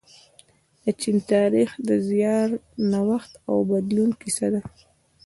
د چین تاریخ د زیار، نوښت او بدلون کیسه ده.